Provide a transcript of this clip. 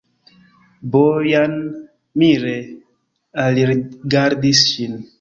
Bojan mire alrigardis ŝin.